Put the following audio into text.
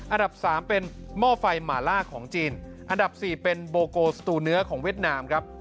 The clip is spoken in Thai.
อันดับสามเป็นหม้อไฟหมาล่าของจีนอันดับสี่เป็นโบโกสตูเนื้อของเวียดนามครับ